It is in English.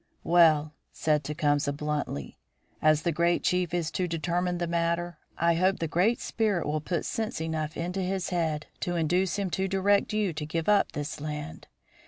"Well," said Tecumseh, bluntly, "as the great chief is to determine the matter, I hope the Great Spirit will put sense enough into his head to induce him to direct you to give up this land.